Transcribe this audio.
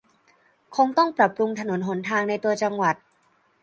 คงต้องปรับปรุงถนนหนทางในตัวจังหวัด